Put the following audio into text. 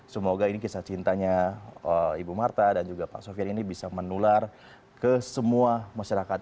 semoga ini kisah cintanya ibu marta dan juga pak sofian ini bisa menular ke semua masyarakat